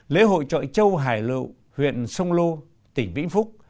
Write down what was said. lễ hội trọi châu hải lựu huyện sông lô tỉnh vĩnh phúc